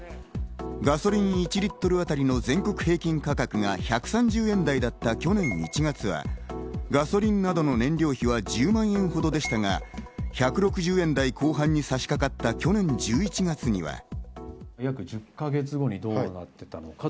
ガソリン１リットル当たりの全国平均価格が１３０円台だった去年１月は、ガソリンなどの燃料費は１０万円ほどでしたが、１６０円台後半に差し掛かった去年１１月には。